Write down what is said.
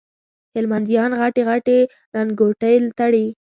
هلمنديان غټي غټي لنګوټې تړي